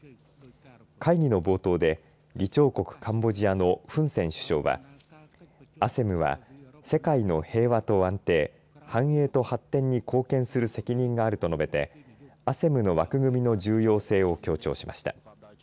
会議の冒頭で議長国カンボジアのフン・セン首相はＡＳＥＭは世界の平和と安定繁栄と発展に貢献する責任があると述べてＡＳＥＭの枠組みの重要性を強調しました。